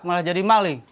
malah jadi maling